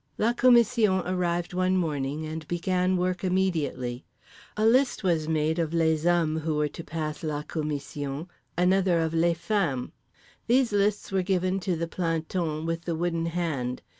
La commission arrived one morning, and began work immediately. A list was made of les hommes who were to pass la commission, another of les femmes. These lists were given to the planton with the Wooden Hand.